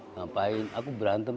ngapain aku berantem